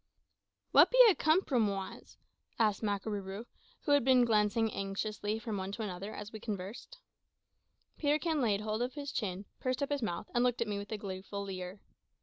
"What be a cumprumoise?" asked Makarooroo, who had been glancing anxiously from one to the other as we conversed. Peterkin laid hold of his chin, pursed up his mouth, and looked at me with a gleeful leer.